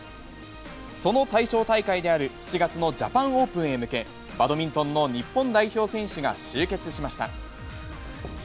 その対象大会である７月のジャパンオープンへ向け、バドミントンの日本代表選手が集結しました。